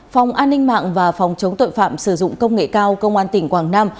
phòng an ninh mạng và phòng chống tội phạm sử dụng công nghệ cao công an tỉnh quảng nam